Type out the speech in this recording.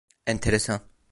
Enteresan.